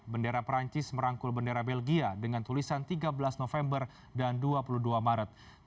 bendera perancis merangkul bendera belgia dengan tulisan tiga belas november dan dua puluh dua maret